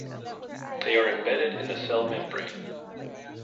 They are embedded in the cell membrane.